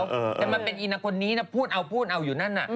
แต่มันเป็นอีนาคนนี้นะพูดเอาพูดเอาอยู่นั่นน่ะ